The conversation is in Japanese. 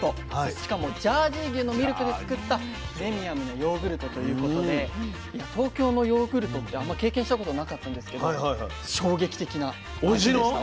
しかもジャージー牛のミルクで作ったプレミアムなヨーグルトということで東京のヨーグルトってあんま経験したことなかったんですけど衝撃的な味でした。